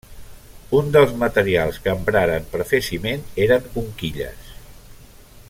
Un dels materials que empraren per fer ciment eren conquilles.